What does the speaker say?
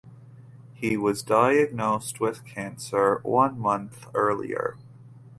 He was diagnosed with cancer one moth earlier.